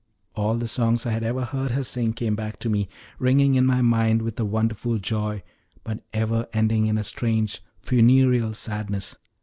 All the songs I had ever heard her sing came back to me, ringing in my mind with a wonderful joy, but ever ending in a strange, funereal sadness.